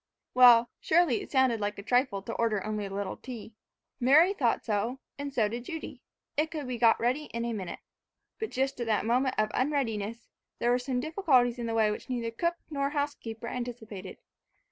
Well, surely, it sounded like a trifle to order only a little tea. Mary thought so, and so did Judy, it could be got ready in a minute. But just at that moment of unreadiness, there were some difficulties in the way which neither cook nor housekeeper anticipated.